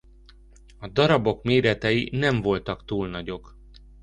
A darabok méretei nem voltak túl nagyok.